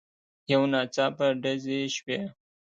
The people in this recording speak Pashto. يو ناڅاپه ډزې شوې.